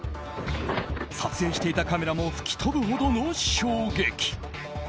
撮影していたカメラも吹き飛ぶほどの衝撃。